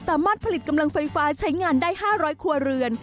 สามารถผลิตกำลังไฟฟ้าใช้งานได้๕๐๐ครัวเรือน